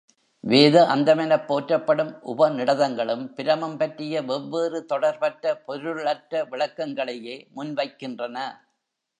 வேத அந்தமெனப் போற்றப்படும் உபநிடதங்களும் பிரமம் பற்றிய வெவ்வேறு தொடர்பற்ற, பொருளற்ற விளக்கங்களையே முன் வைக்கின்றன.